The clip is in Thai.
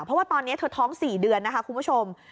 เพราะว่าตอนนี้เธอท้อง๔เดือนนะคะคุณผู้ชม